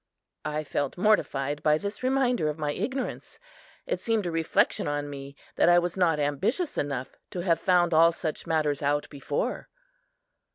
I felt mortified by this reminder of my ignorance. It seemed a reflection on me that I was not ambitious enough to have found all such matters out before.